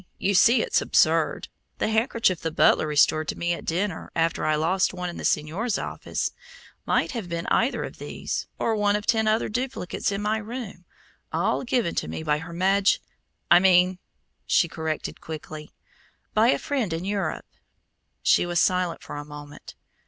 You see, it's absurd. The handkerchief the butler restored to me at dinner, after I lost one in the señor's office, might have been either of these, or one of ten other duplicates in my room, all given to me by her Maj I mean," she corrected quickly, "by a friend in Europe." She was silent for a moment.